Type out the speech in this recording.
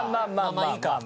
まあいいか。